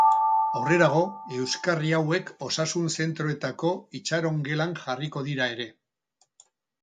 Aurrerago, euskarri hauek osasun-zentroetako itxarongeletan jarriko dira ere.